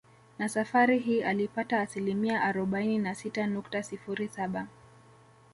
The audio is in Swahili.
Na safari hii alipata asilimia arobaini na sita nukta sifuri saba